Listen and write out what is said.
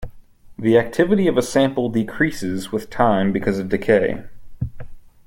The activity of a sample decreases with time because of decay.